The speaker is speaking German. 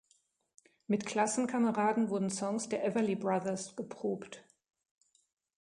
Mit Klassenkameraden wurden Songs der Everly Brothers geprobt.